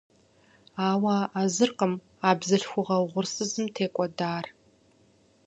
Ауэ а зыркъым а бзылъхугьэ угъурсызым текӏуэдар.